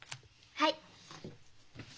はい。